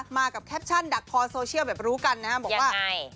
มากับแคปชั่นดักพอร์นโซเชียลแบบรู้กันนะฮะบอกว่ายังไง